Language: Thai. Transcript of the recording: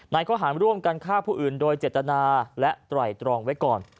ข้อหารร่วมกันฆ่าผู้อื่นโดยเจตนาและไตรตรองไว้ก่อน